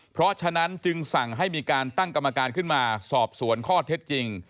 เพราะฉะนั้นจึงสั่งให้มีการตั้งกรรมการขึ้นมาสอบสวนข้อเท็จจริง